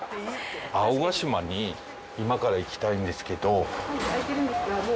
青ヶ島に今から行きたいんですけど。